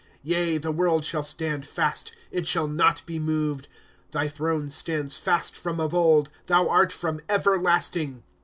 Yea, the world shall stand fast, it shall not be moved. ^ Thy throne stands fast from of old ; Thou art from everlasting.